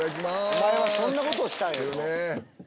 お前はそんなことをしたいの？